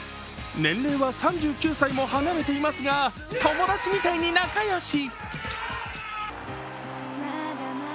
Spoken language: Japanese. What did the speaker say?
年齢は３９歳も離れていますが友達みたいに仲良し。